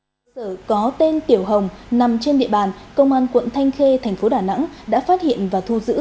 cơ sở có tên tiểu hồng nằm trên địa bàn công an quận thanh khê thành phố đà nẵng đã phát hiện và thu giữ